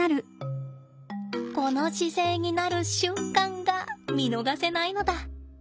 この姿勢になる瞬間が見逃せないのだ。